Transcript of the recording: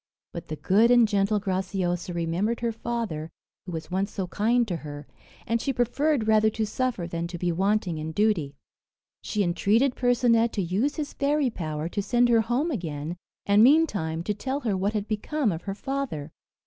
But the good and gentle Graciosa remembered her father who was once so kind to her, and she preferred rather to suffer than to be wanting in duty. She entreated Percinet to use his fairy power to send her home again, and meantime to tell her what had become of her father.